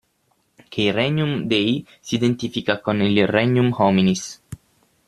Che il Regnum Dei si identifica con il Regnum hominis.